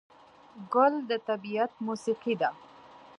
ګل د طبیعت موسیقي ده.